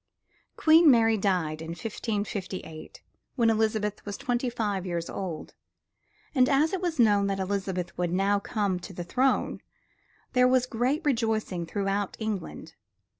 Queen Mary died in 1558, when Elizabeth was twenty five years old, and as it was known that Elizabeth would now come to the throne, there was great rejoicing throughout England.